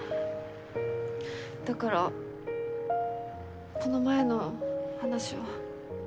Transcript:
だからこの前の話は。